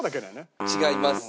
違います。